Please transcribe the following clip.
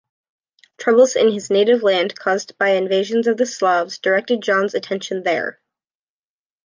Troubles in his native land caused by invasions of Slavs directed John's attention there.